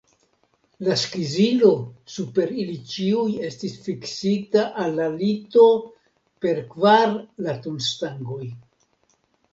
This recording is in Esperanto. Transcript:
La skizilo super ili ĉiuj estis fiksita al la lito per kvar latunstangoj.